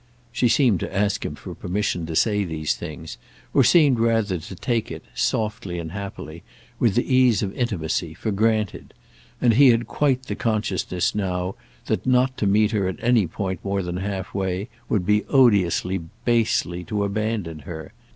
She seemed to ask him for permission to say these things, or seemed rather to take it, softly and happily, with the ease of intimacy, for granted, and he had quite the consciousness now that not to meet her at any point more than halfway would be odiously, basely to abandon her.